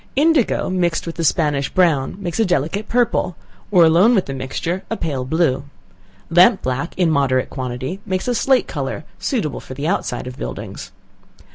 Indigo mixed with the Spanish brown makes a delicate purple, or alone with the mixture, a pale blue. Lamp black, in moderate quantity, makes a slate color, suitable for the outside of buildings.